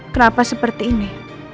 kenapa seperti ini